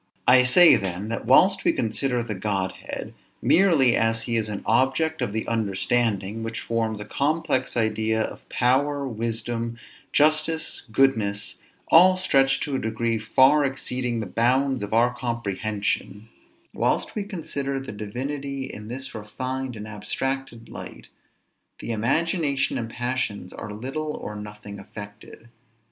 I say then, that whilst we consider the Godhead merely as he is an object of the understanding, which forms a complex idea of power, wisdom, justice, goodness, all stretched to a degree far exceeding the bounds of our comprehension, whilst we consider the divinity in this refined and abstracted light, the imagination and passions are little or nothing affected.